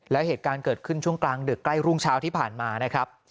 แล้วเหตุการณ์เกิดขึ้นช่วงกลางดึกใกล้รุ่งเช้าที่ผ่านมานะครับ